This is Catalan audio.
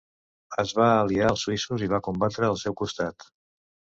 Es va aliar als suïssos i va combatre al seu costat.